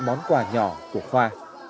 món quà nhỏ của khoa